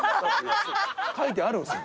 書いてあるんですもん。